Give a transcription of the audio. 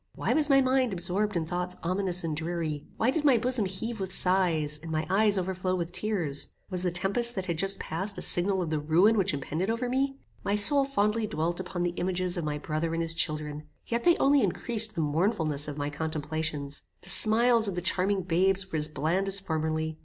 Why was my mind absorbed in thoughts ominous and dreary? Why did my bosom heave with sighs, and my eyes overflow with tears? Was the tempest that had just past a signal of the ruin which impended over me? My soul fondly dwelt upon the images of my brother and his children, yet they only increased the mournfulness of my contemplations. The smiles of the charming babes were as bland as formerly.